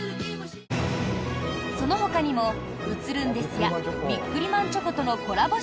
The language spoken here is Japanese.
そのほかにも「写ルンです」やビックリマンチョコとのコラボ